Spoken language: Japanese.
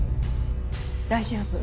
大丈夫。